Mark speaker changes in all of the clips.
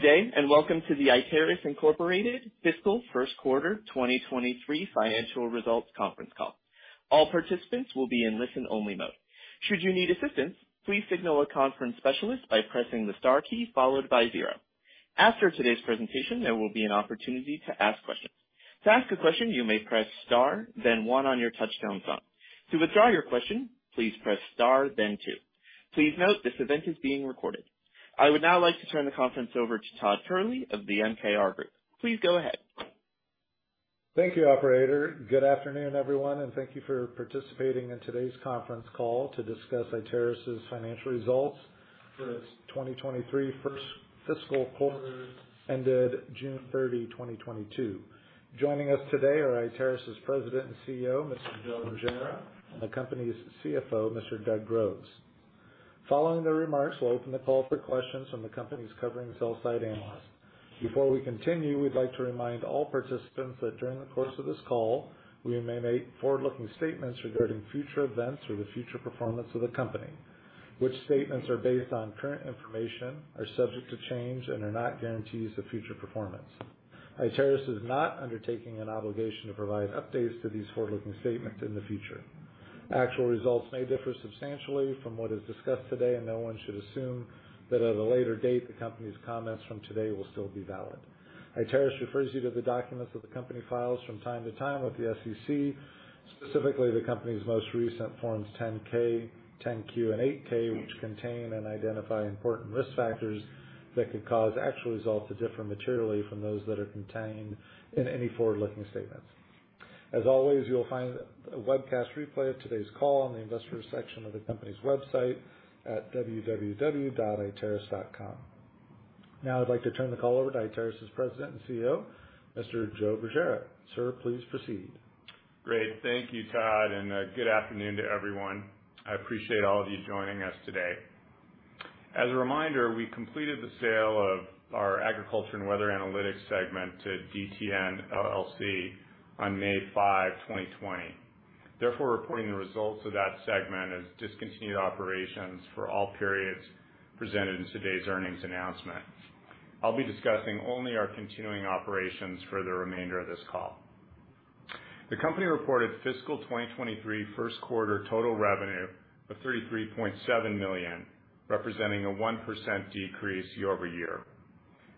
Speaker 1: Good day and welcome to the Iteris, Inc. Fiscal First Quarter 2023 Financial Results Conference Call. All participants will be in listen-only mode. Should you need assistance, please signal a conference specialist by pressing the star key followed by zero. After today's presentation, there will be an opportunity to ask questions. To ask a question, you may press star then one on your touch-tone phone. To withdraw your question, please press star then two. Please note, this event is being recorded. I would now like to turn the conference over to Todd Kehrli of The MKR Group. Please go ahead.
Speaker 2: Thank you, operator. Good afternoon, everyone, and thank you for participating in today's conference call to discuss Iteris' financial results for its 2023 first fiscal quarter ended June 30, 2022. Joining us today are Iteris' President and CEO, Mr. Joe Bergera, and the company's CFO, Mr. Doug Groves. Following the remarks, we'll open the call for questions from the company's covering sell-side analysts. Before we continue, we'd like to remind all participants that during the course of this call, we may make forward-looking statements regarding future events or the future performance of the company, which statements are based on current information, are subject to change and are not guarantees of future performance. Iteris is not undertaking an obligation to provide updates to these forward-looking statements in the future. Actual results may differ substantially from what is discussed today, and no one should assume that at a later date, the company's comments from today will still be valid. Iteris refers you to the documents that the company files from time to time with the SEC, specifically the company's most recent Forms 10-K, 10-Q, and 8-K, which contain and identify important risk factors that could cause actual results to differ materially from those that are contained in any forward-looking statements. As always, you'll find a webcast replay of today's call on the investors section of the company's website at www.iteris.com. Now I'd like to turn the call over to Iteris' President and CEO, Mr. Joe Bergera. Sir, please proceed.
Speaker 3: Great. Thank you, Todd, and good afternoon to everyone. I appreciate all of you joining us today. As a reminder, we completed the sale of our agriculture and weather analytics segment to DTN LLC on May 5, 2020. Therefore, reporting the results of that segment as discontinued operations for all periods presented in today's earnings announcement. I'll be discussing only our continuing operations for the remainder of this call. The company reported fiscal 2023 first quarter total revenue of $33.7 million, representing a 1% decrease year-over-year.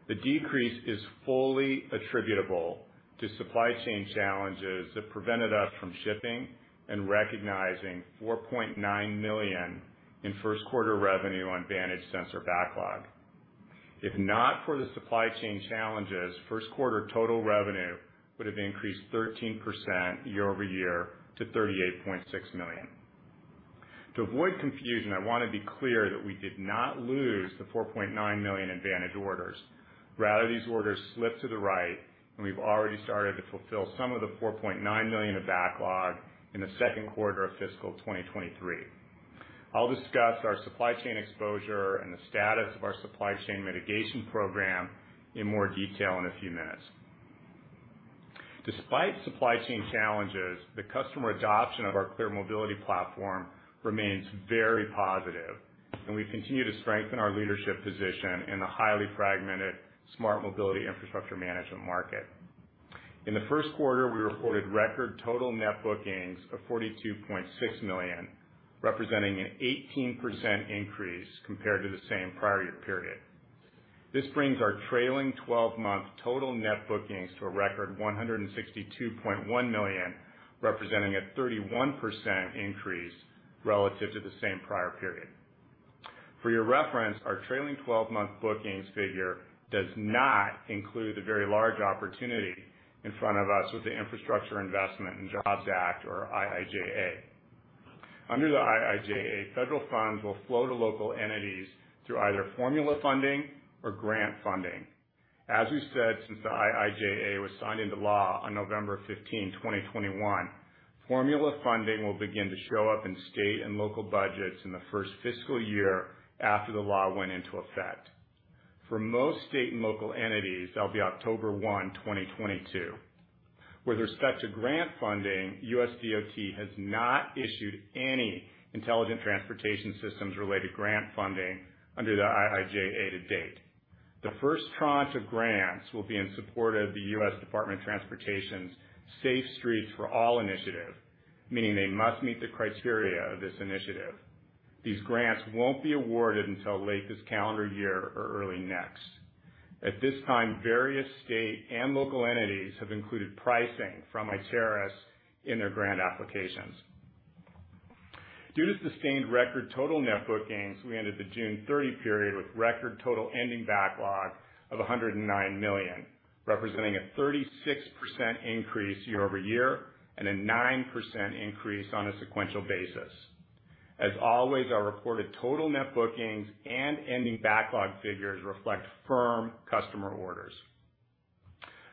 Speaker 3: The decrease is fully attributable to supply chain challenges that prevented us from shipping and recognizing $4.9 million in first quarter revenue on Vantage sensor backlog. If not for the supply chain challenges, first quarter total revenue would have increased 13% year-over-year to $38.6 million. To avoid confusion, I wanna be clear that we did not lose the $4.9 million in Vantage orders. Rather, these orders slipped to the right, and we've already started to fulfill some of the $4.9 million of backlog in the second quarter of fiscal 2023. I'll discuss our supply chain exposure and the status of our supply chain mitigation program in more detail in a few minutes. Despite supply chain challenges, the customer adoption of our ClearMobility Platform remains very positive, and we continue to strengthen our leadership position in the highly fragmented smart mobility infrastructure management market. In the first quarter, we reported record total net bookings of $42.6 million, representing an 18% increase compared to the same prior year period. This brings our trailing 12-month total net bookings to a record $162.1 million, representing a 31% increase relative to the same prior period. For your reference, our trailing twelve-month bookings figure does not include the very large opportunity in front of us with the Infrastructure Investment and Jobs Act or IIJA. Under the IIJA, federal funds will flow to local entities through either formula funding or grant funding. As we've said since the IIJA was signed into law on November 15, 2021, formula funding will begin to show up in state and local budgets in the first fiscal year after the law went into effect. For most state and local entities, that'll be October 1, 2022. With respect to grant funding, USDOT has not issued any intelligent transportation systems-related grant funding under the IIJA to date. The first tranche of grants will be in support of the US Department of Transportation's Safe Streets and Roads for All initiative, meaning they must meet the criteria of this initiative. These grants won't be awarded until late this calendar year or early next. At this time, various state and local entities have included pricing from Iteris in their grant applications. Due to sustained record total net bookings, we ended the June 30 period with record total ending backlog of $109 million, representing a 36% increase year-over-year and a 9% increase on a sequential basis. As always, our reported total net bookings and ending backlog figures reflect firm customer orders.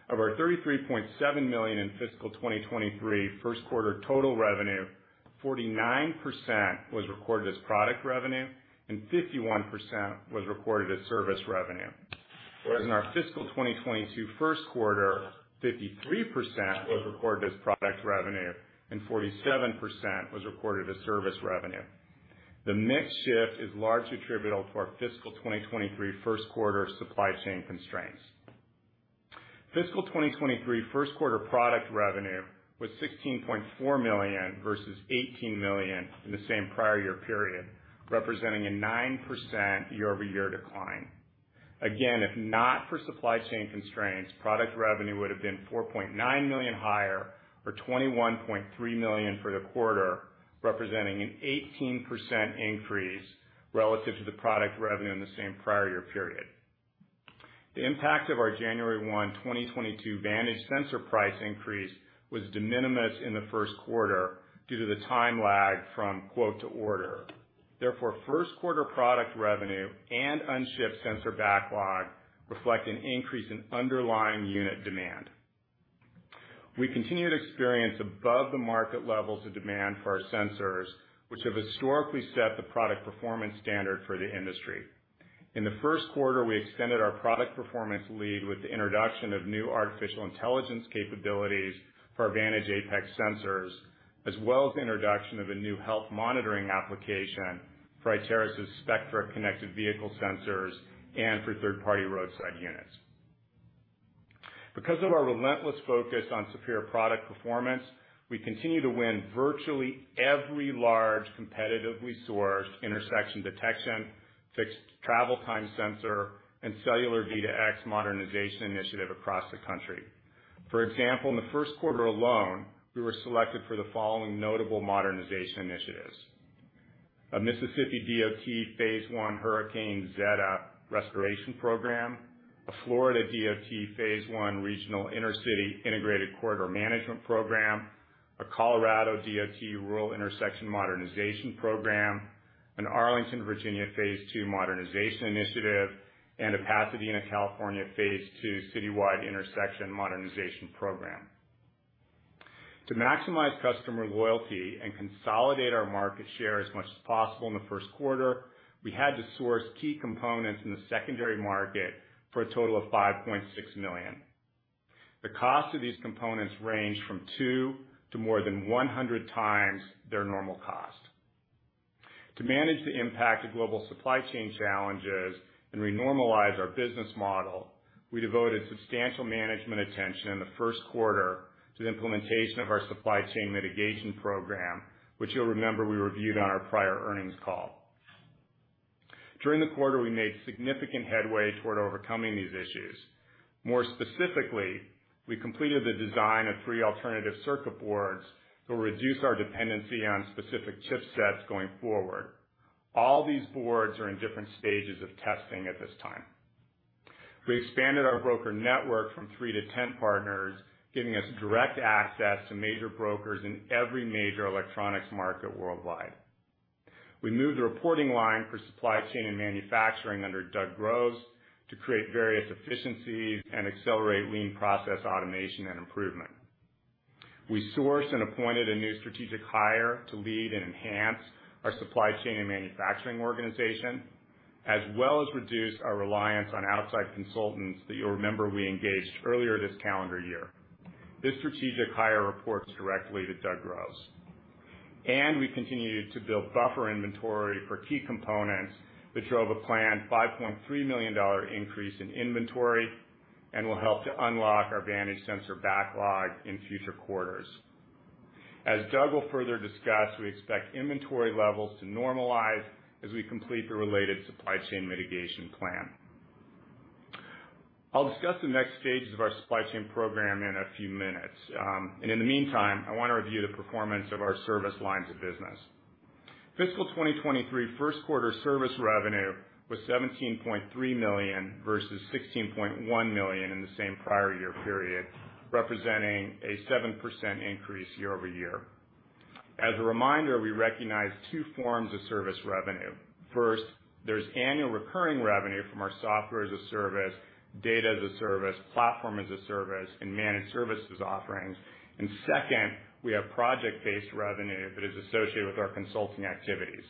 Speaker 3: Of our $33.7 million in fiscal 2023 first quarter total revenue, 49% was recorded as product revenue and 51% was recorded as service revenue. Whereas in our fiscal 2022 first quarter, 53% was recorded as product revenue and 47% was recorded as service revenue. The mix shift is largely attributable to our fiscal 2023 first quarter supply chain constraints. Fiscal 2023 first quarter product revenue was $16.4 million versus $18 million in the same prior year period, representing a 9% year-over-year decline. Again, if not for supply chain constraints, product revenue would have been $4.9 million higher, or $21.3 million for the quarter, representing an 18% increase relative to the product revenue in the same prior year period. The impact of our January 1, 2022 Vantage sensor price increase was de minimis in the first quarter due to the time lag from quote to order. Therefore, first quarter product revenue and unshipped sensor backlog reflect an increase in underlying unit demand. We continue to experience above the market levels of demand for our sensors, which have historically set the product performance standard for the industry. In the first quarter, we extended our product performance lead with the introduction of new artificial intelligence capabilities for Vantage Apex sensors, as well as the introduction of a new health monitoring application for Iteris' Spectra connected vehicle sensors and for third-party roadside units. Because of our relentless focus on superior product performance, we continue to win virtually every large, competitively sourced intersection detection, fixed travel time sensor, and cellular V2X modernization initiative across the country. For example, in the first quarter alone, we were selected for the following notable modernization initiatives. A Mississippi DOT phase I Hurricane Zeta restoration program, a Florida DOT phase I regional inner-city integrated corridor management program, a Colorado DOT rural intersection modernization program, an Arlington, Virginia, phase II modernization initiative, and a Pasadena, California, phase II citywide intersection modernization program. To maximize customer loyalty and consolidate our market share as much as possible in the first quarter, we had to source key components in the secondary market for a total of $5.6 million. The cost of these components range from 2x to more than 100x their normal cost. To manage the impact of global supply chain challenges and renormalize our business model, we devoted substantial management attention in the first quarter to the implementation of our supply chain mitigation program, which you'll remember we reviewed on our prior earnings call. During the quarter, we made significant headway toward overcoming these issues. More specifically, we completed the design of three alternative circuit boards that will reduce our dependency on specific chipsets going forward. All these boards are in different stages of testing at this time. We expanded our broker network from three to 10 partners, giving us direct access to major brokers in every major electronics market worldwide. We moved a reporting line for supply chain and manufacturing under Doug Groves to create various efficiencies and accelerate lean process automation and improvement. We sourced and appointed a new strategic hire to lead and enhance our supply chain and manufacturing organization, as well as reduce our reliance on outside consultants that you'll remember we engaged earlier this calendar year. This strategic hire reports directly to Doug Groves. We continued to build buffer inventory for key components which drove a planned $5.3 million increase in inventory and will help to unlock our Vantage sensor backlog in future quarters. As Doug will further discuss, we expect inventory levels to normalize as we complete the related supply chain mitigation plan. I'll discuss the next stages of our supply chain program in a few minutes. In the meantime, I wanna review the performance of our service lines of business. Fiscal 2023 first quarter service revenue was $17.3 million versus $16.1 million in the same prior year period, representing a 7% increase year-over-year. As a reminder, we recognize two forms of service revenue. First, there's annual recurring revenue from our software as a service, data as a service, platform as a service, and managed services offerings. Second, we have project-based revenue that is associated with our consulting activities.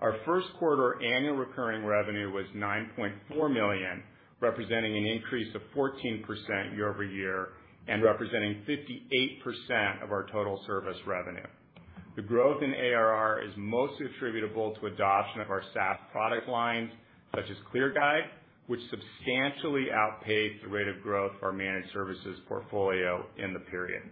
Speaker 3: Our first quarter annual recurring revenue was $9.4 million, representing an increase of 14% year-over-year and representing 58% of our total service revenue. The growth in ARR is mostly attributable to adoption of our SaaS product lines, such as ClearGuide, which substantially outpaced the rate of growth of our managed services portfolio in the period.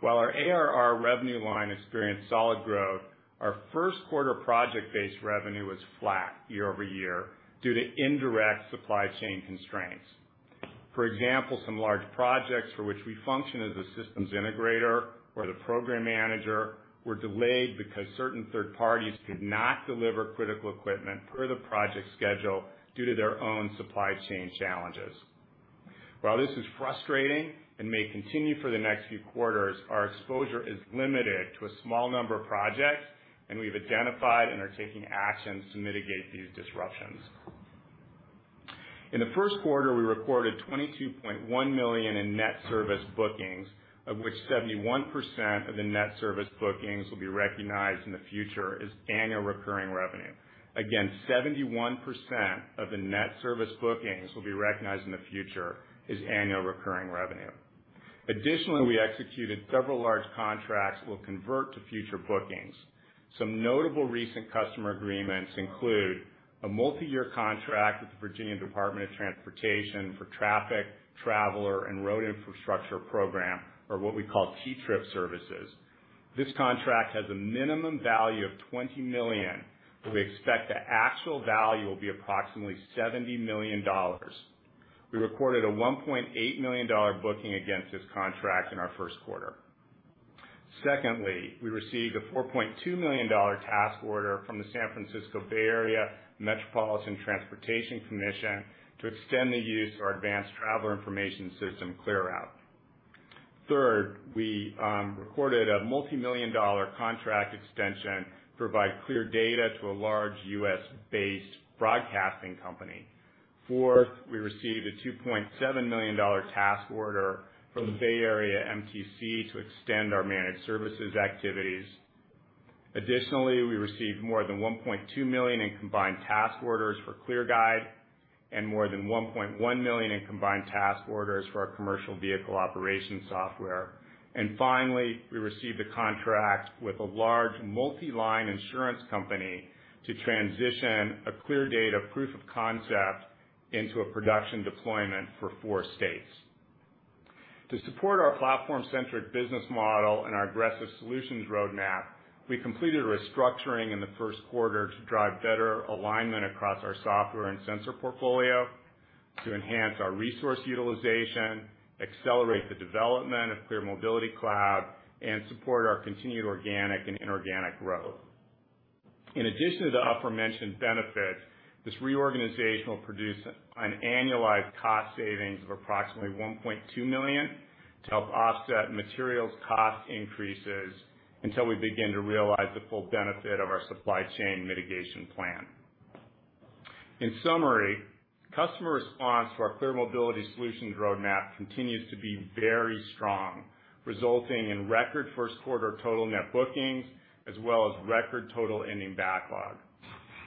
Speaker 3: While our ARR revenue line experienced solid growth, our first quarter project-based revenue was flat year-over-year due to indirect supply chain constraints. For example, some large projects for which we function as a systems integrator or the program manager were delayed because certain third parties could not deliver critical equipment per the project schedule due to their own supply chain challenges. While this is frustrating and may continue for the next few quarters, our exposure is limited to a small number of projects, and we've identified and are taking actions to mitigate these disruptions. In the first quarter, we recorded $22.1 million in net service bookings, of which 71% of the net service bookings will be recognized in the future as annual recurring revenue. Again, 71% of the net service bookings will be recognized in the future as annual recurring revenue. Additionally, we executed several large contracts that will convert to future bookings. Some notable recent customer agreements include a multi-year contract with the Virginia Department of Transportation for traffic, traveler, and road infrastructure program, or what we call TTIP services. This contract has a minimum value of $20 million, but we expect the actual value will be approximately $70 million. We recorded a $1.8 million booking against this contract in our first quarter. Secondly, we received a $4.2 million task order from the Metropolitan Transportation Commission to extend the use of our Advanced Traveler Information System, ClearRoute. Third, we recorded a multi-million dollar contract extension to provide ClearData to a large U.S.-based broadcasting company. Fourth, we received a $2.7 million task order from the Bay Area MTC to extend our managed services activities. Additionally, we received more than $1.2 million in combined task orders for ClearGuide and more than $1.1 million in combined task orders for our commercial vehicle operations software. Finally, we received a contract with a large multi-line insurance company to transition a ClearData proof of concept into a production deployment for four states. To support our platform-centric business model and our aggressive solutions roadmap, we completed a restructuring in the first quarter to drive better alignment across our software and sensor portfolio to enhance our resource utilization, accelerate the development of ClearMobility Cloud, and support our continued organic and inorganic growth. In addition to the aforementioned benefits, this reorganization will produce an annualized cost savings of approximately $1.2 million to help offset materials cost increases until we begin to realize the full benefit of our supply chain mitigation plan. In summary, customer response to our ClearMobility Solutions roadmap continues to be very strong, resulting in record first quarter total net bookings as well as record total ending backlog.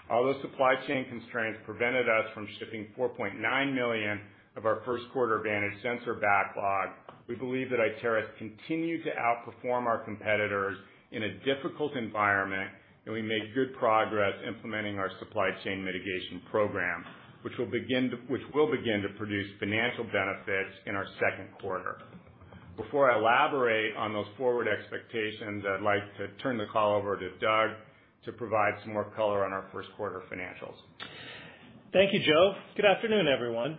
Speaker 3: Although supply chain constraints prevented us from shipping $4.9 million of our first quarter Vantage sensor backlog, we believe that Iteris continued to outperform our competitors in a difficult environment, and we made good progress implementing our supply chain mitigation program, which will begin to produce financial benefits in our second quarter. Before I elaborate on those forward expectations, I'd like to turn the call over to Doug to provide some more color on our first quarter financials.
Speaker 4: Thank you, Joe. Good afternoon, everyone.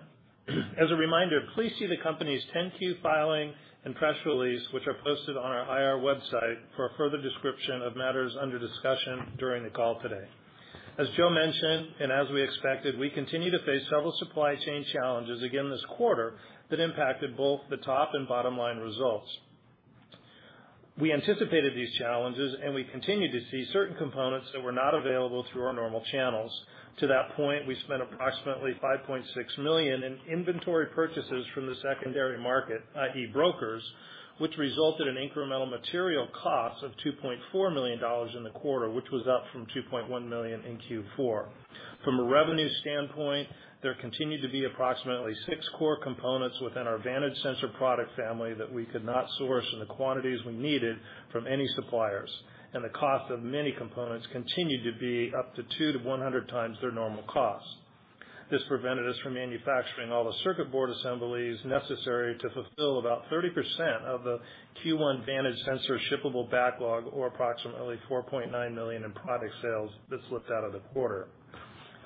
Speaker 4: As a reminder, please see the company's 10-Q filing and press release, which are posted on our IR website for a further description of matters under discussion during the call today. As Joe mentioned, and as we expected, we continue to face several supply chain challenges again this quarter that impacted both the top- and bottom-line results. We anticipated these challenges, and we continue to see certain components that were not available through our normal channels. To that point, we spent approximately $5.6 million in inventory purchases from the secondary market, i.e. brokers, which resulted in incremental material costs of $2.4 million in the quarter, which was up from $2.1 million in Q4. From a revenue standpoint, there continued to be approximately six core components within our Vantage sensor product family that we could not source in the quantities we needed from any suppliers, and the cost of many components continued to be up to 2x-100x their normal cost. This prevented us from manufacturing all the circuit board assemblies necessary to fulfill about 30% of the Q1 Vantage sensor shippable backlog, or approximately $4.9 million in product sales that slipped out of the quarter.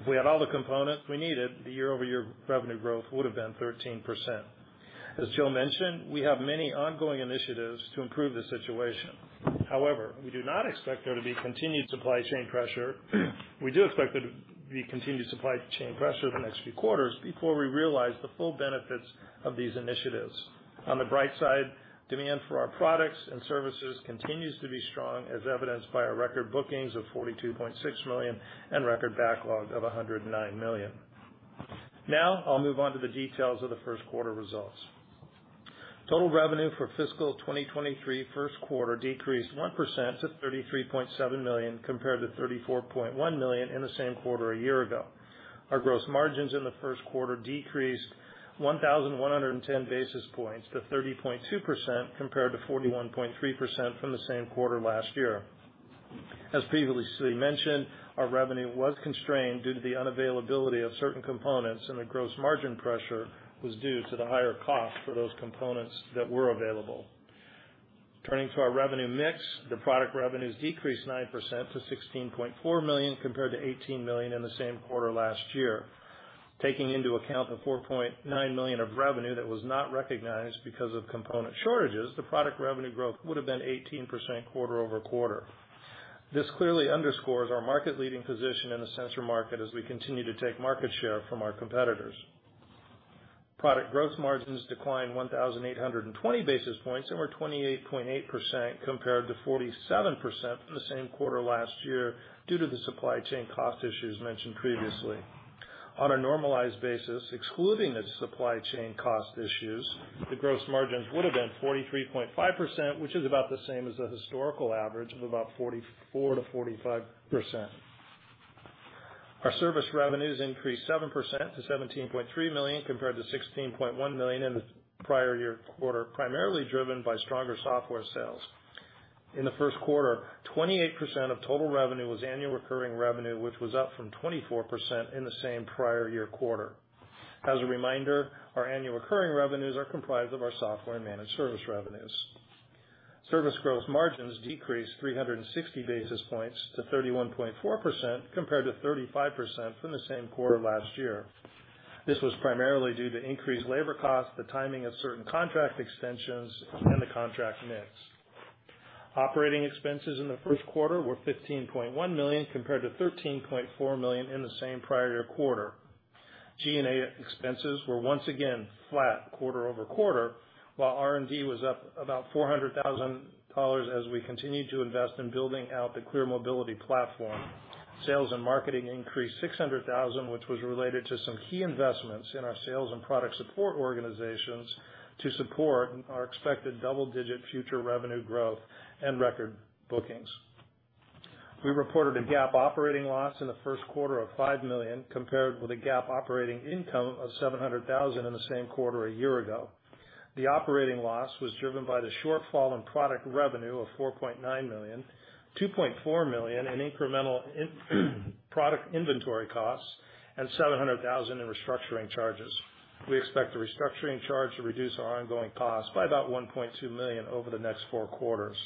Speaker 4: If we had all the components we needed, the year-over-year revenue growth would have been 13%. As Joe mentioned, we have many ongoing initiatives to improve the situation. However, we do not expect there to be continued supply chain pressure. We do expect there to be continued supply chain pressure the next few quarters before we realize the full benefits of these initiatives. On the bright side, demand for our products and services continues to be strong, as evidenced by our record bookings of $42.6 million and record backlog of $109 million. Now I'll move on to the details of the first quarter results. Total revenue for fiscal 2023 first quarter decreased 1% to $33.7 million, compared to $34.1 million in the same quarter a year ago. Our gross margins in the first quarter decreased 1,110 basis points to 30.2%, compared to 41.3% from the same quarter last year. As previously mentioned, our revenue was constrained due to the unavailability of certain components, and the gross margin pressure was due to the higher cost for those components that were available. Turning to our revenue mix, the product revenues decreased 9% to $16.4 million, compared to $18 million in the same quarter last year. Taking into account the $4.9 million of revenue that was not recognized because of component shortages, the product revenue growth would have been 18% quarter-over-quarter. This clearly underscores our market-leading position in the sensor market as we continue to take market share from our competitors. Product growth margins declined 1,820 basis points and were 28.8% compared to 47% from the same quarter last year due to the supply chain cost issues mentioned previously. On a normalized basis, excluding the supply chain cost issues, the gross margins would have been 43.5%, which is about the same as the historical average of about 44%-45%. Our service revenues increased 7% to $17.3 million compared to $16.1 million in the prior year quarter, primarily driven by stronger software sales. In the first quarter, 28% of total revenue was annual recurring revenue, which was up from 24% in the same prior year quarter. As a reminder, our annual recurring revenues are comprised of our software managed service revenues. Service gross margins decreased 360 basis points to 31.4% compared to 35% from the same quarter last year. This was primarily due to increased labor costs, the timing of certain contract extensions, and the contract mix. Operating expenses in the first quarter were $15.1 million compared to $13.4 million in the same prior year quarter. G&A expenses were once again flat quarter-over-quarter, while R&D was up about $400,000 as we continued to invest in building out the ClearMobility Platform. Sales and marketing increased $600,000, which was related to some key investments in our sales and product support organizations to support our expected double-digit future revenue growth and record bookings. We reported a GAAP operating loss in the first quarter of $5 million, compared with a GAAP operating income of $700,000 in the same quarter a year ago. The operating loss was driven by the shortfall in product revenue of $4.9 million, $2.4 million in incremental product inventory costs, and $700,000 in restructuring charges. We expect the restructuring charge to reduce our ongoing costs by about $1.2 million over the next four quarters.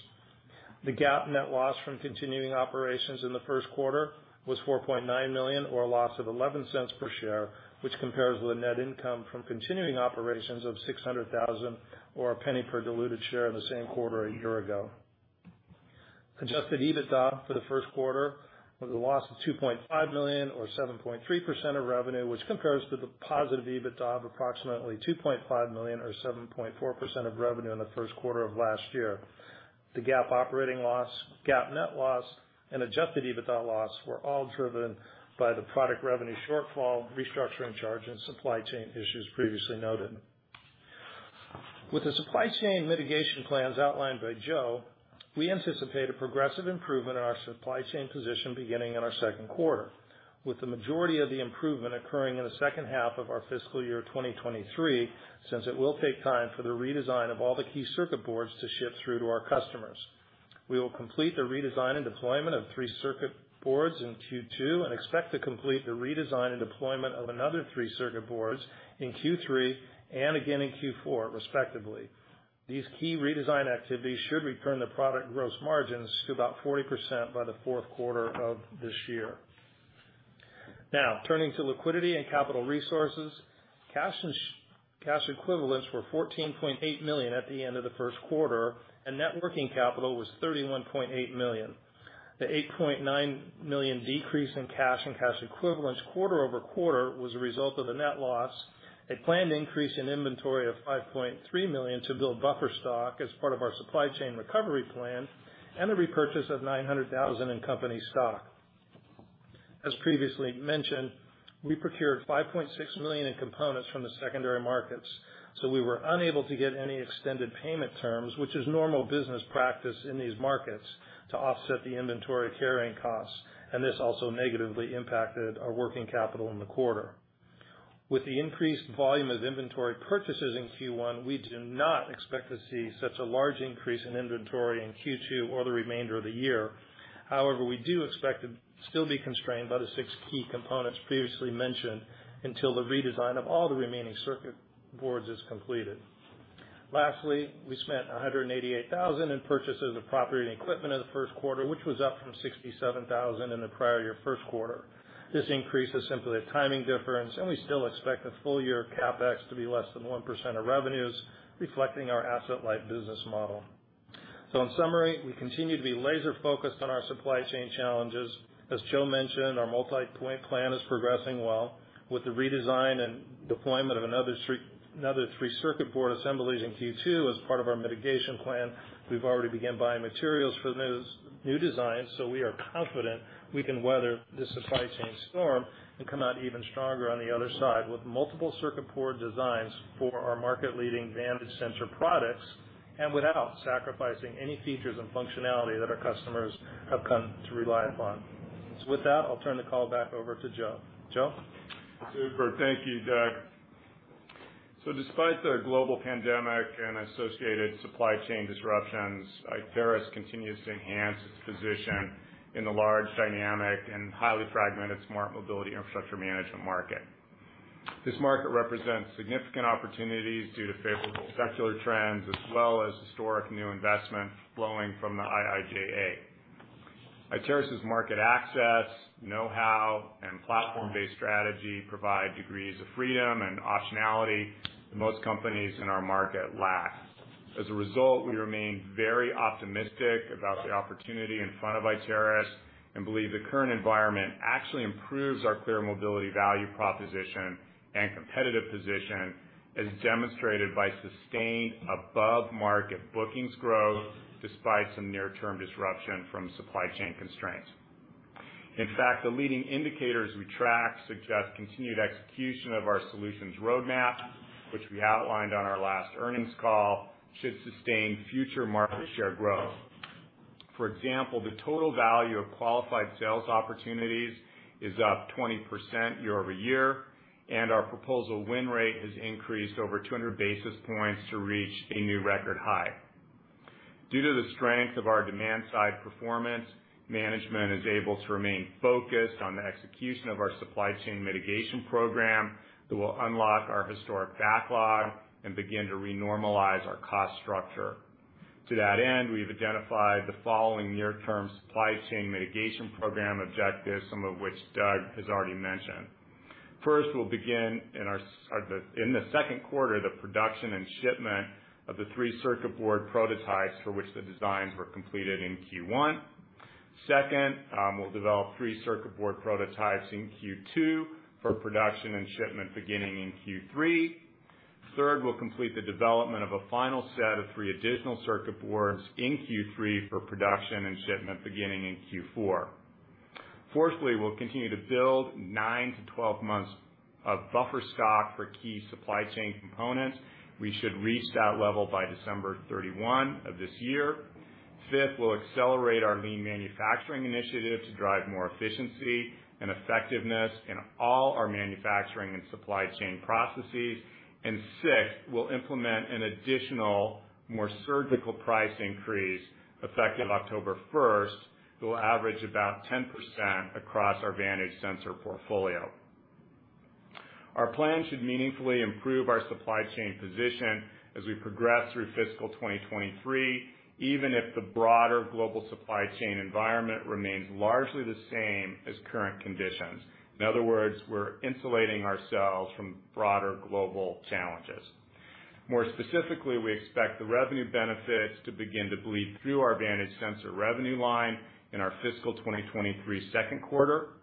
Speaker 4: The GAAP net loss from continuing operations in the first quarter was $4.9 million or a loss of $0.11 per share, which compares with the net income from continuing operations of $600,000 or $0.01 per diluted share in the same quarter a year ago. Adjusted EBITDA for the first quarter was a loss of $2.5 million or 7.3% of revenue, which compares to the positive EBITDA of approximately $2.5 million or 7.4% of revenue in the first quarter of last year. The GAAP operating loss, GAAP net loss, and adjusted EBITDA loss were all driven by the product revenue shortfall, restructuring charge, and supply chain issues previously noted. With the supply chain mitigation plans outlined by Joe, we anticipate a progressive improvement in our supply chain position beginning in our second quarter, with the majority of the improvement occurring in the second half of our fiscal year 2023, since it will take time for the redesign of all the key circuit boards to ship through to our customers. We will complete the redesign and deployment of three circuit boards in Q2, and expect to complete the redesign and deployment of another three circuit boards in Q3 and again in Q4 respectively. These key redesign activities should return the product gross margins to about 40% by the fourth quarter of this year. Now, turning to liquidity and capital resources. Cash and cash equivalents were $14.8 million at the end of the first quarter, and net working capital was $31.8 million. The $8.9 million decrease in cash and cash equivalents quarter-over-quarter was a result of the net loss, a planned increase in inventory of $5.3 million to build buffer stock as part of our supply chain recovery plan, and a repurchase of $900,000 in company stock. As previously mentioned, we procured $5.6 million in components from the secondary markets, so we were unable to get any extended payment terms, which is normal business practice in these markets, to offset the inventory carrying costs, and this also negatively impacted our working capital in the quarter. With the increased volume of inventory purchases in Q1, we do not expect to see such a large increase in inventory in Q2 or the remainder of the year. However, we do expect to still be constrained by the six key components previously mentioned until the redesign of all the remaining circuit boards is completed. Lastly, we spent $188,000 in purchases of property and equipment in the first quarter, which was up from $67,000 in the prior year first quarter. This increase is simply a timing difference, and we still expect the full year CapEx to be less than 1% of revenues, reflecting our asset-light business model. In summary, we continue to be laser focused on our supply chain challenges. As Joe mentioned, our multipoint plan is progressing well with the redesign and deployment of another three circuit board assemblies in Q2 as part of our mitigation plan. We've already began buying materials for the new designs, so we are confident we can weather this supply chain storm and come out even stronger on the other side with multiple circuit board designs for our market-leading Vantage sensor products and without sacrificing any features and functionality that our customers have come to rely upon. With that, I'll turn the call back over to Joe. Joe?
Speaker 3: Super. Thank you, Doug. Despite the global pandemic and associated supply chain disruptions, Iteris continues to enhance its position in the large, dynamic and highly fragmented smart mobility infrastructure management market. This market represents significant opportunities due to favorable secular trends as well as historic new investment flowing from the IIJA. Iteris' market access, know-how, and platform-based strategy provide degrees of freedom and optionality that most companies in our market lack. As a result, we remain very optimistic about the opportunity in front of Iteris and believe the current environment actually improves our ClearMobility value proposition and competitive position, as demonstrated by sustained above-market bookings growth despite some near-term disruption from supply chain constraints. In fact, the leading indicators we track suggest continued execution of our solutions roadmap, which we outlined on our last earnings call, should sustain future market share growth. For example, the total value of qualified sales opportunities is up 20% year-over-year, and our proposal win rate has increased over 200 basis points to reach a new record high. Due to the strength of our demand side performance, management is able to remain focused on the execution of our supply chain mitigation program that will unlock our historic backlog and begin to re-normalize our cost structure. To that end, we've identified the following near term supply chain mitigation program objectives, some of which Doug has already mentioned. First, we'll begin in the second quarter, the production and shipment of the three circuit board prototypes for which the designs were completed in Q1. Second, we'll develop three circuit board prototypes in Q2 for production and shipment beginning in Q3. Third, we'll complete the development of a final set of three additional circuit boards in Q3 for production and shipment beginning in Q4. Fourthly, we'll continue to build nine to 12 months of buffer stock for key supply chain components. We should reach that level by December 31 of this year. Fifth, we'll accelerate our lean manufacturing initiative to drive more efficiency and effectiveness in all our manufacturing and supply chain processes. Sixth, we'll implement an additional more surgical price increase effective October 1st that will average about 10% across our Vantage sensor portfolio. Our plan should meaningfully improve our supply chain position as we progress through fiscal 2023, even if the broader global supply chain environment remains largely the same as current conditions. In other words, we're insulating ourselves from broader global challenges. More specifically, we expect the revenue benefits to begin to bleed through our Vantage sensor revenue line in our fiscal 2023 second quarter,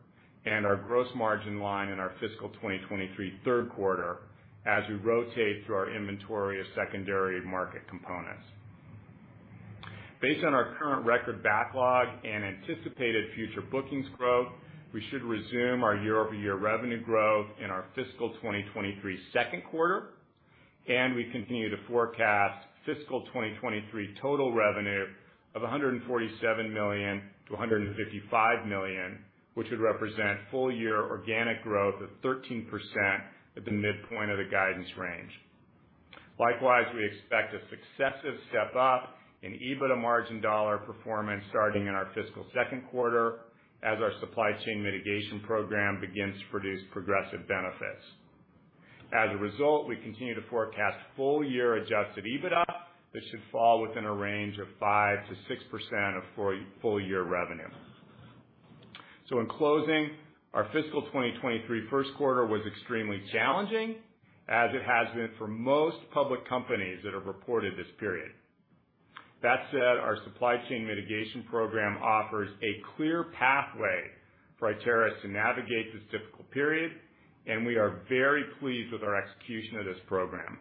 Speaker 3: and our gross margin line in our fiscal 2023 third quarter as we rotate through our inventory of secondary market components. Based on our current record backlog and anticipated future bookings growth, we should resume our year-over-year revenue growth in our fiscal 2023 second quarter, and we continue to forecast fiscal 2023 total revenue of $147 million-$155 million, which would represent full year organic growth of 13% at the midpoint of the guidance range. Likewise, we expect a successive step up in EBITDA margin dollar performance starting in our fiscal second quarter as our supply chain mitigation program begins to produce progressive benefits. As a result, we continue to forecast full year adjusted EBITDA that should fall within a range of 5%-6% of full year revenue. In closing, our fiscal 2023 first quarter was extremely challenging, as it has been for most public companies that have reported this period. That said, our supply chain mitigation program offers a clear pathway for Iteris to navigate this difficult period, and we are very pleased with our execution of this program.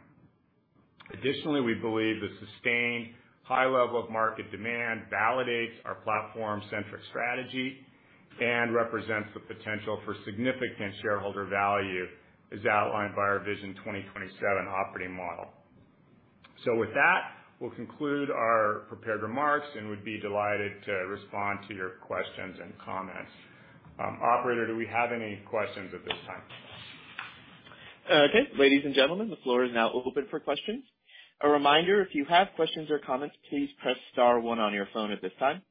Speaker 3: Additionally, we believe the sustained high level of market demand validates our platform-centric strategy and represents the potential for significant shareholder value as outlined by our Vision 2027 operating model. With that, we'll conclude our prepared remarks, and we'd be delighted to respond to your questions and comments. Operator, do we have any questions at this time?
Speaker 1: Okay. Ladies and gentlemen, the floor is now open for questions. A reminder, if you have questions or comments, please press star one on your phone at this time.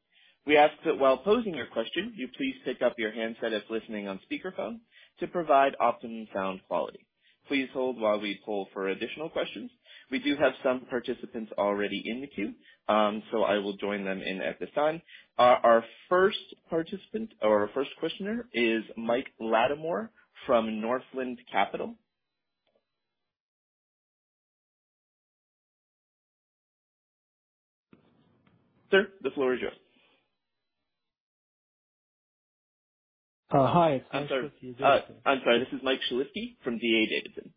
Speaker 1: We ask that while posing your question, you please pick up your handset if listening on speakerphone to provide optimum sound quality. Please hold while we poll for additional questions. We do have some participants already in the queue, so I will join them in at this time. Our first participant or first questioner is Mike Latimore from Northland Capital Markets. Sir, the floor is yours.
Speaker 5: Hi.
Speaker 1: I'm sorry. This is Michael Shlisky from DADavidson.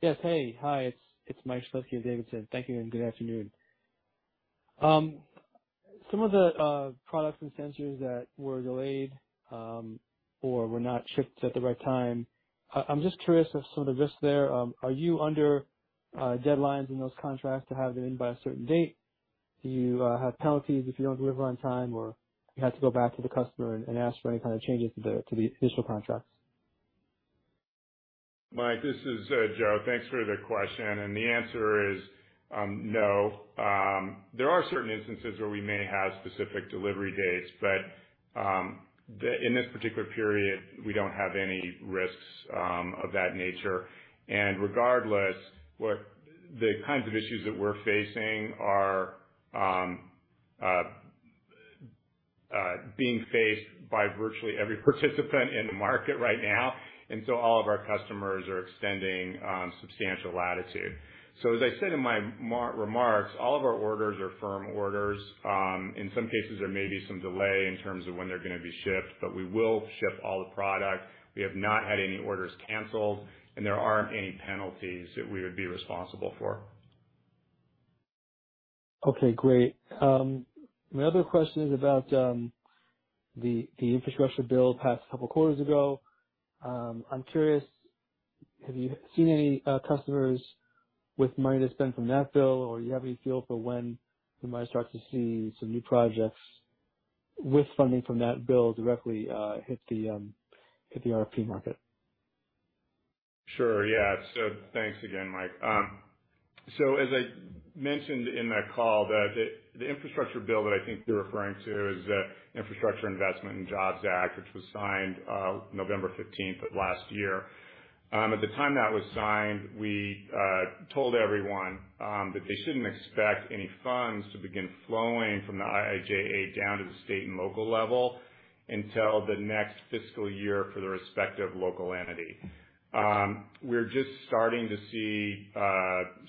Speaker 5: Yes. Hey. Hi, it's Michael Shlisky of DADavidson. Thank you and good afternoon. Some of the products and sensors that were delayed or were not shipped at the right time, I'm just curious of some of the risks there. Are you under deadlines in those contracts to have them in by a certain date? Do you have penalties if you don't deliver on time or you have to go back to the customer and ask for any kind of changes to the initial contracts?
Speaker 3: Mike, this is Joe. Thanks for the question. The answer is no. There are certain instances where we may have specific delivery dates, but in this particular period, we don't have any risks of that nature. Regardless, what the kinds of issues that we're facing are being faced by virtually every participant in the market right now. All of our customers are extending substantial latitude. As I said in my remarks, all of our orders are firm orders. In some cases, there may be some delay in terms of when they're gonna be shipped, but we will ship all the product. We have not had any orders canceled, and there aren't any penalties that we would be responsible for.
Speaker 5: Okay, great. My other question is about the infrastructure bill passed a couple quarters ago. I'm curious. Have you seen any customers with money to spend from that bill, or you have any feel for when we might start to see some new projects with funding from that bill directly hit the RFP market?
Speaker 3: Sure. Yeah. Thanks again, Mike. As I mentioned in the call that the infrastructure bill that I think you're referring to is the Infrastructure Investment and Jobs Act, which was signed November 15th of last year. At the time that was signed, we told everyone that they shouldn't expect any funds to begin flowing from the IIJA down to the state and local level until the next fiscal year for the respective local entity. We're just starting to see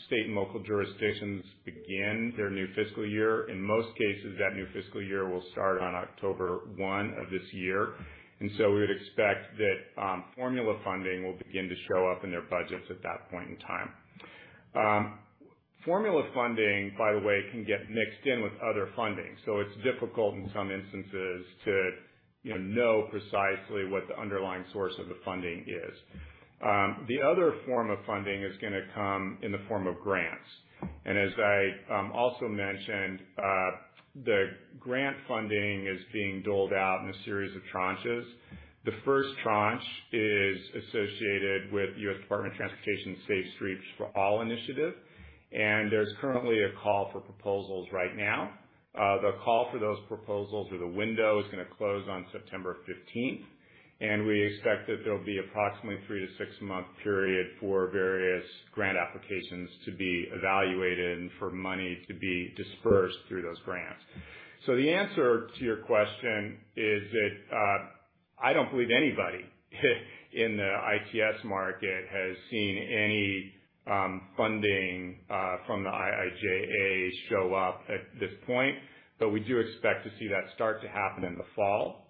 Speaker 3: state and local jurisdictions begin their new fiscal year. In most cases, that new fiscal year will start on October 1 of this year, and so we would expect that formula funding will begin to show up in their budgets at that point in time. Formula funding, by the way, can get mixed in with other funding, so it's difficult in some instances to, you know precisely what the underlying source of the funding is. The other form of funding is gonna come in the form of grants. As I also mentioned, the grant funding is being doled out in a series of tranches. The first tranche is associated with US Department of Transportation Safe Streets and Roads for All initiative, and there's currently a call for proposals right now. The call for those proposals or the window is gonna close on September 15th, and we expect that there'll be approximately three to six-month period for various grant applications to be evaluated and for money to be dispersed through those grants. The answer to your question is that, I don't believe anybody in the ITS market has seen any funding from the IIJA show up at this point. We do expect to see that start to happen in the fall,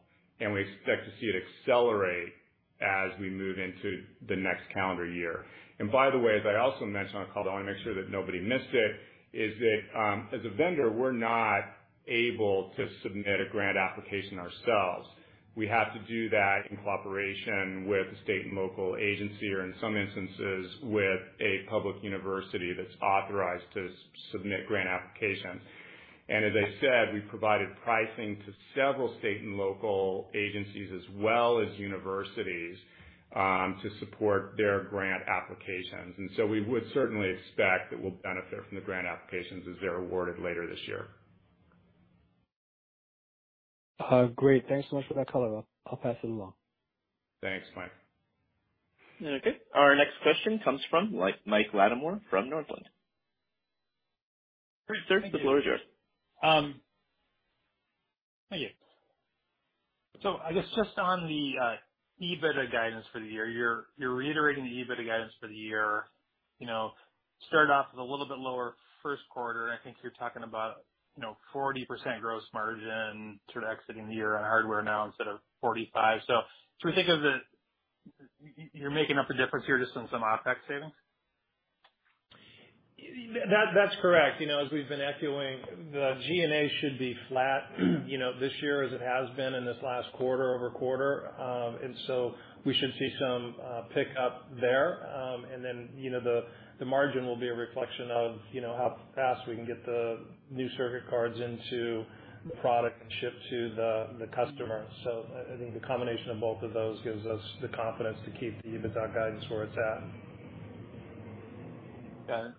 Speaker 3: and we expect to see it accelerate as we move into the next calendar year. By the way, as I also mentioned on the call, but I wanna make sure that nobody missed it, is that, as a vendor, we're not able to submit a grant application ourselves. We have to do that in cooperation with the state and local agency or in some instances, with a public university that's authorized to submit grant applications. As I said, we've provided pricing to several state and local agencies as well as universities, to support their grant applications, and so we would certainly expect that we'll benefit from the grant applications as they're awarded later this year.
Speaker 5: Great. Thanks so much for that color. I'll pass it along.
Speaker 3: Thanks, Mike.
Speaker 1: Okay. Our next question comes from Mike Latimore from Northland. Sir, the floor is yours.
Speaker 6: I guess just on the EBITDA guidance for the year. You're reiterating the EBITDA guidance for the year. You know, started off with a little bit lower first quarter, and I think you're talking about, you know, 40% gross margin sort of exiting the year on hardware now instead of 45%. Should we think of you're making up the difference here just on some OpEx savings?
Speaker 3: That's correct. You know, as we've been echoing, the G&A should be flat, you know, this year as it has been in this last quarter-over-quarter. We should see some pick up there. You know, the margin will be a reflection of, you know, how fast we can get the new circuit cards into the product shipped to the customer. I think the combination of both of those gives us the confidence to keep the EBITDA guidance where it's at.
Speaker 6: Got it.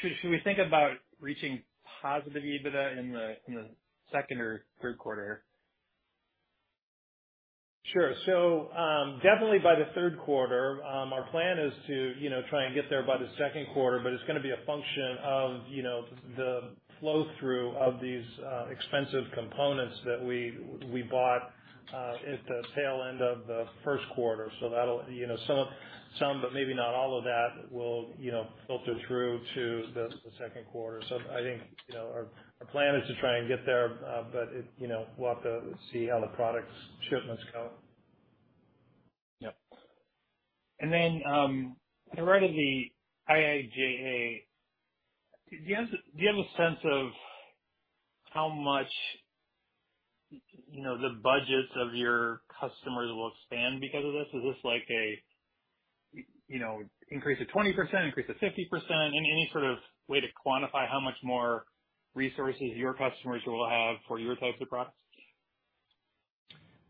Speaker 6: Should we think about reaching positive EBITDA in the second or third quarter?
Speaker 3: Sure. Definitely by the third quarter. Our plan is to, you know, try and get there by the second quarter, but it's gonna be a function of, you know, the flow-through of these expensive components that we bought at the tail end of the first quarter. That'll, you know, some but maybe not all of that will, you know, filter through to the second quarter. I think, you know, our plan is to try and get there, but we'll have to see how the products shipments go.
Speaker 6: Yep. I read in the IIJA. Do you have a sense of how much, you know, the budgets of your customers will expand because of this? Is this like a you know, increase of 20%, increase of 50%? Any sort of way to quantify how much more resources your customers will have for your types of products?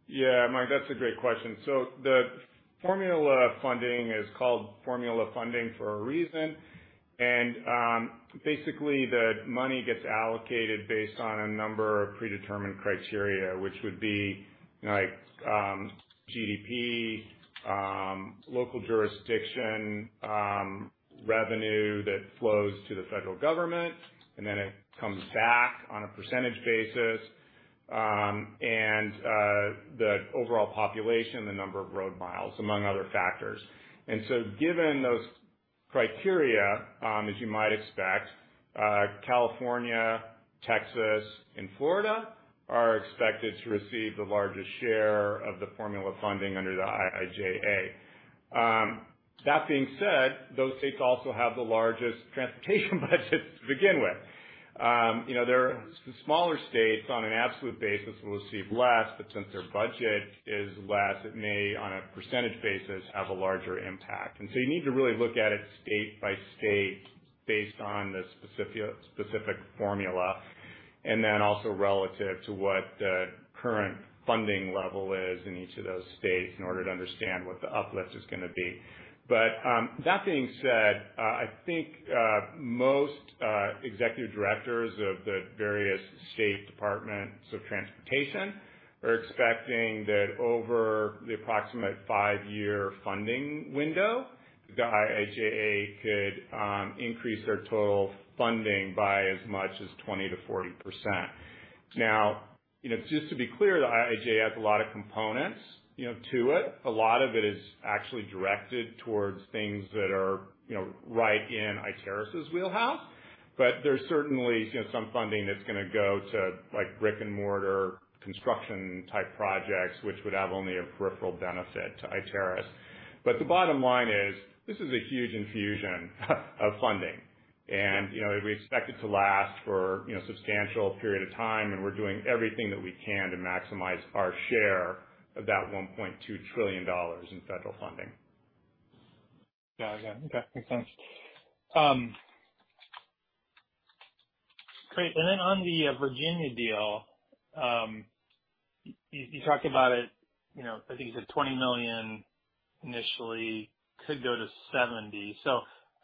Speaker 3: Yeah. Mike, that's a great question. The formula funding is called formula funding for a reason. Basically the money gets allocated based on a number of predetermined criteria, which would be like, GDP, local jurisdiction, revenue that flows to the federal government, and then it comes back on a percentage basis, and the overall population, the number of road miles, among other factors. Given those criteria, as you might expect, California, Texas, and Florida are expected to receive the largest share of the formula funding under the IIJA. That being said, those states also have the largest transportation budgets to begin with. You know, there are some smaller states on an absolute basis will receive less, but since their budget is less, it may, on a percentage basis, have a larger impact. You need to really look at it state by state based on the specific formula, and then also relative to what the current funding level is in each of those states in order to understand what the uplift is gonna be. That being said, I think most executive directors of the various state departments of transportation are expecting that over the approximate five-year funding window, the IIJA could increase their total funding by as much as 20%-40%. Now, you know, just to be clear, the IIJA has a lot of components, you know, to it. A lot of it is actually directed towards things that are, you know, right in Iteris' wheelhouse. There's certainly, you know, some funding that's gonna go to, like, brick and mortar construction type projects, which would have only a peripheral benefit to Iteris. The bottom line is this is a huge infusion of funding. You know, we expect it to last for, you know, a substantial period of time, and we're doing everything that we can to maximize our share of that $1.2 trillion in federal funding.
Speaker 6: Yeah. Yeah. Okay. Makes sense. Great. Then on the Virginia deal, you talked about it, you know. I think you said $20 million initially, could go to $70 million.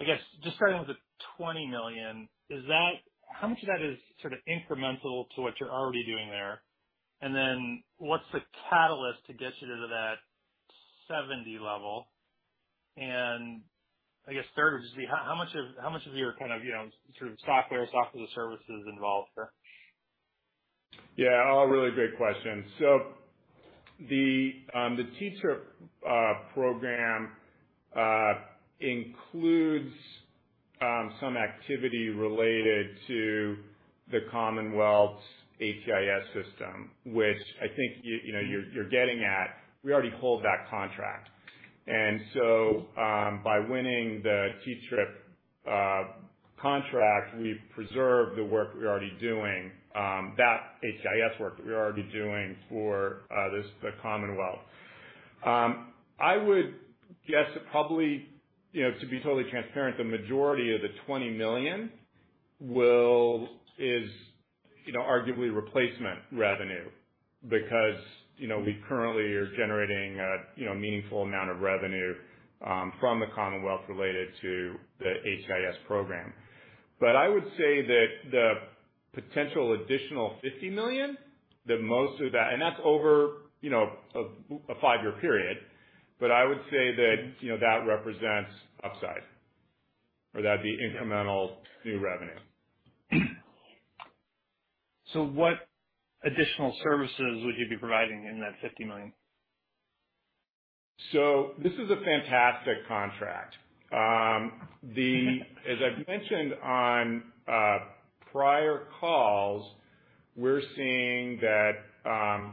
Speaker 6: I guess just starting with the $20 million. How much of that is sort of incremental to what you're already doing there? Then what's the catalyst to get you to that $70 million level? I guess third would just be, how much of your kind of, you know, sort of software services is involved here?
Speaker 3: Yeah. All really great questions. The TRIP program includes some activity related to the Commonwealth's ATIS system, which I think you know you're getting at, we already hold that contract. By winning the TRIP contract, we preserve the work we're already doing, that ATIS work that we're already doing for the Commonwealth. I would guess it probably, you know, to be totally transparent, the majority of the $20 million is, you know, arguably replacement revenue because, you know, we currently are generating a, you know, meaningful amount of revenue from the Commonwealth related to the ATIS program. But I would say that the potential additional $50 million, that most of that. That's over, you know, a five-year period. I would say that, you know, that represents upside or that'd be incremental new revenue.
Speaker 6: What additional services would you be providing in that $50 million?
Speaker 3: This is a fantastic contract. As I've mentioned on prior calls, we're seeing that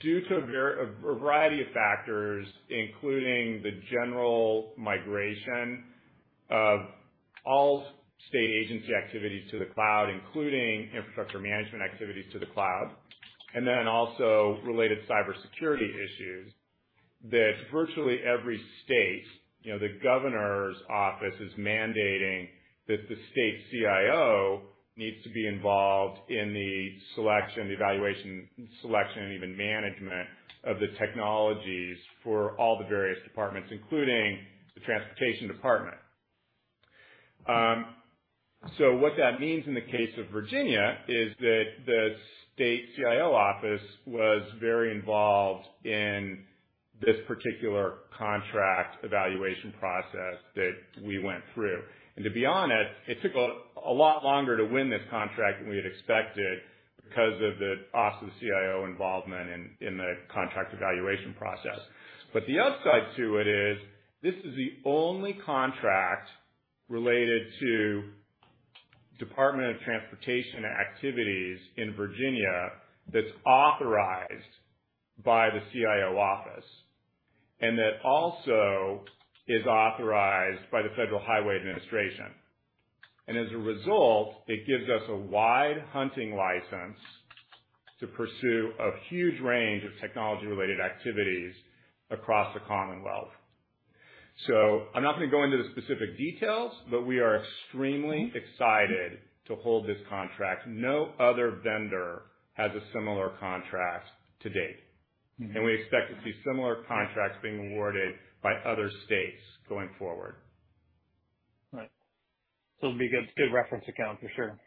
Speaker 3: due to a variety of factors, including the general migration of all state agency activities to the cloud, including infrastructure management activities to the cloud, and then also related cybersecurity issues, that virtually every state, you know, the governor's office is mandating that the state CIO needs to be involved in the selection, the evaluation and even management of the technologies for all the various departments, including the transportation department. What that means in the case of Virginia is that the state CIO office was very involved in this particular contract evaluation process that we went through. To be honest, it took a lot longer to win this contract than we had expected because of the office of the CIO involvement in the contract evaluation process. The upside to it is this is the only contract related to Virginia Department of Transportation activities in Virginia that's authorized by the CIO office and that also is authorized by the Federal Highway Administration. As a result, it gives us a wide hunting license to pursue a huge range of technology-related activities across the Commonwealth. I'm not gonna go into the specific details, but we are extremely excited to hold this contract. No other vendor has a similar contract to date.
Speaker 6: Mm-hmm.
Speaker 3: We expect to see similar contracts being awarded by other states going forward.
Speaker 6: Right. It'll be a good reference account for sure.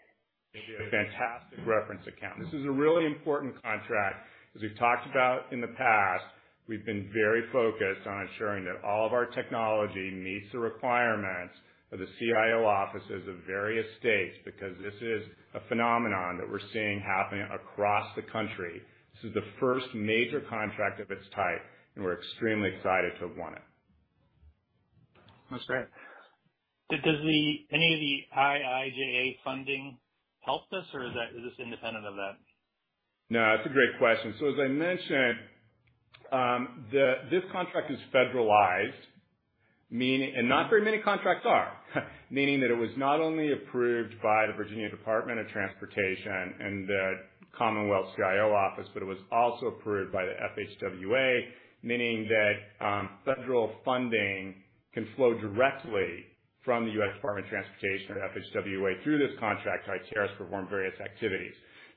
Speaker 3: It'll be a fantastic reference account. This is a really important contract. As we've talked about in the past, we've been very focused on ensuring that all of our technology meets the requirements of the CIO offices of various states, because this is a phenomenon that we're seeing happening across the country. This is the first major contract of its type, and we're extremely excited to have won it.
Speaker 6: That's great. Does any of the IIJA funding help this or is this independent of that?
Speaker 3: No, that's a great question. As I mentioned, this contract is federalized, and not very many contracts are, meaning that it was not only approved by the Virginia Department of Transportation and the Commonwealth CIO office, but it was also approved by the FHWA, meaning that federal funding can flow directly from the U.S. Department of Transportation or FHWA through this contract to Iteris to perform various activities.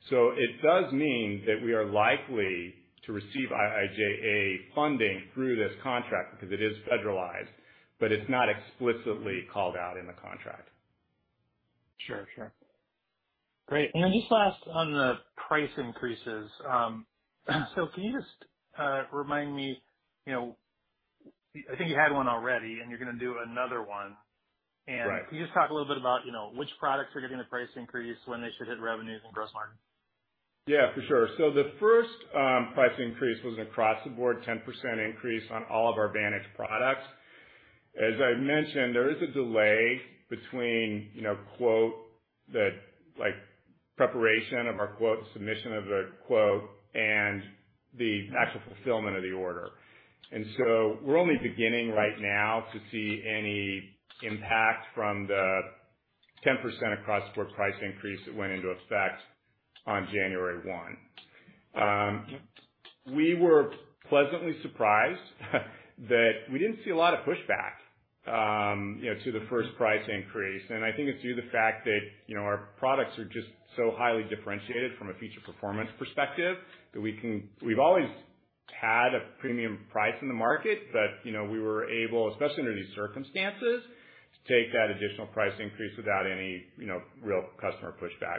Speaker 3: It does mean that we are likely to receive IIJA funding through this contract because it is federalized, but it's not explicitly called out in the contract.
Speaker 6: Sure. Great. Just last on the price increases, so can you just remind me, you know, I think you had one already, and you're gonna do another one.
Speaker 3: Right.
Speaker 6: Can you just talk a little bit about, you know, which products are getting the price increase, when they should hit revenues and gross margin?
Speaker 3: Yeah, for sure. The first price increase was an across-the-board 10% increase on all of our Vantage products. As I mentioned, there is a delay between, you know, preparation of our quote, submission of the quote and the actual fulfillment of the order. We're only beginning right now to see any impact from the 10% across-the-board price increase that went into effect on January 1. We were pleasantly surprised that we didn't see a lot of pushback, you know, to the first price increase. I think it's due to the fact that, you know, our products are just so highly differentiated from a feature performance perspective that we can. We've always had a premium price in the market that, you know, we were able, especially under these circumstances, to take that additional price increase without any, you know, real customer pushback.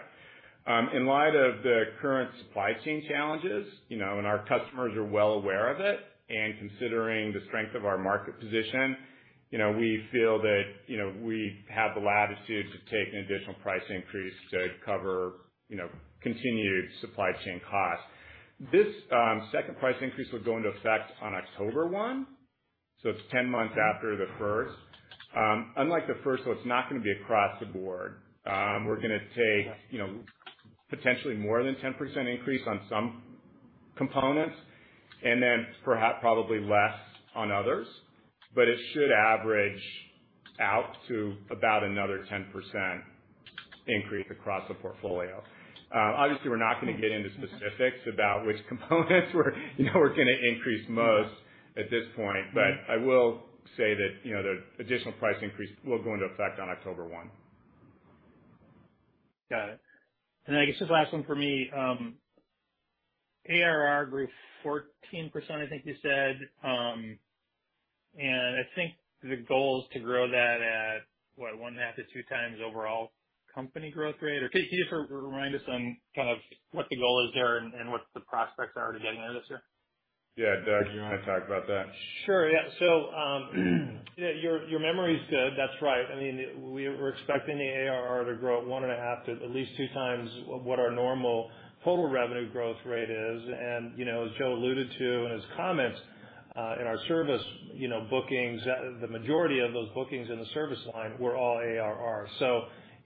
Speaker 3: In light of the current supply chain challenges, you know, and our customers are well aware of it, and considering the strength of our market position, you know, we feel that, you know, we have the latitude to take an additional price increase to cover, you know, continued supply chain costs. This second price increase will go into effect on October 1, so it's 10 months after the first. Unlike the first one, it's not gonna be across the board. We're gonna take, you know, potentially more than 10% increase on some components and then probably less on others, but it should average out to about another 10% increase across the portfolio. Obviously, we're not gonna get into specifics about which components we're, you know, we're gonna increase most at this point. I will say that, you know, the additional price increase will go into effect on October 1.
Speaker 6: Got it. Then I guess this last one for me, ARR grew 14%, I think you said. I think the goal is to grow that at, what, 1.5x-2x overall company growth rate? Can you just remind us on kind of what the goal is there and what the prospects are to getting there this year?
Speaker 3: Yeah. Doug, do you wanna talk about that?
Speaker 4: Sure, yeah. Yeah, your memory's good. That's right. I mean, we're expecting the ARR to grow at 1.5x to at least 2x what our normal total revenue growth rate is. You know, as Joe alluded to in his comments, in our service, you know, bookings, the majority of those bookings in the service line were all ARR.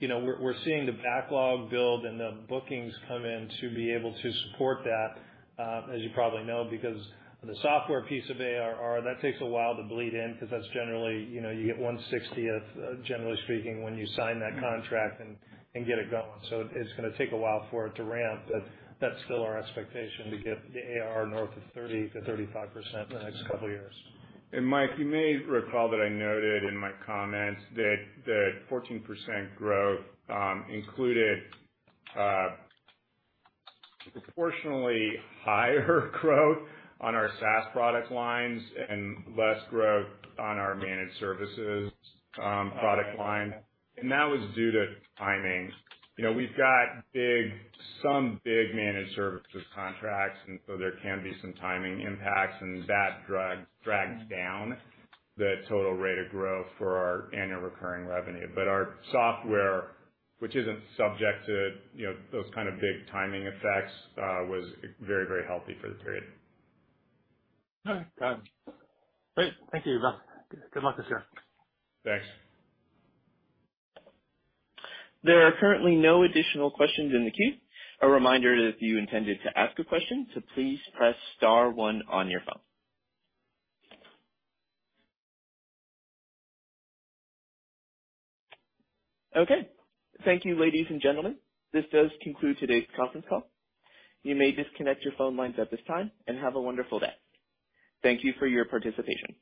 Speaker 4: You know, we're seeing the backlog build and the bookings come in to be able to support that, as you probably know, because the software piece of ARR, that takes a while to bleed in because that's generally, you know, you get one-sixtieth, generally speaking, when you sign that contract and get it going. It's gonna take a while for it to ramp, but that's still our expectation to get the ARR north of 30%-35% in the next couple years.
Speaker 3: Mike, you may recall that I noted in my comments that the 14% growth included proportionally higher growth on our SaaS product lines and less growth on our managed services product line, and that was due to timing. You know, we've got some big managed services contracts, and so there can be some timing impacts and that drags down the total rate of growth for our annual recurring revenue. Our software, which isn't subject to, you know, those kind of big timing effects, was very healthy for the period.
Speaker 6: All right. Got it. Great. Thank you, guys. Good luck this year.
Speaker 3: Thanks.
Speaker 1: There are currently no additional questions in the queue. A reminder, if you intended to ask a question, to please press star one on your phone. Okay. Thank you, ladies and gentlemen. This does conclude today's conference call. You may disconnect your phone lines at this time and have a wonderful day. Thank you for your participation.